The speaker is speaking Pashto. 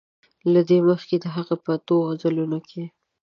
له دې مخکې د هغه په اتو غزلونو کې.